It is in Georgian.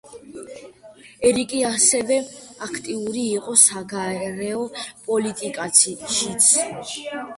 ერიკი ასევე აქტიური იყო საგარეო პოლიტიკაშიც.